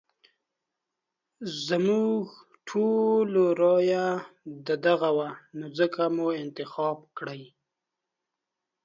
زموږ ټولو رايه ددغه وه نو ځکه مو انتخاب کړی.